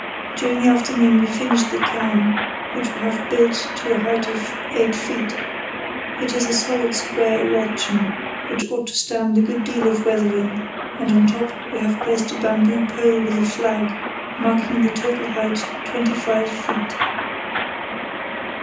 During the afternoon we finished the cairn, which we have built to a height of eight feet. It is a solid square erection which ought to stand a good deal of weathering, and on top we have placed a bamboo pole with a flag, making the total height twenty five feet.